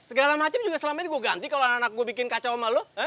segala macem juga selama ini gue ganti kalo anak anak gue bikin kacau sama lu